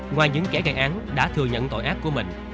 ngoài những kẻ gây án đã thừa nhận tội ác của mình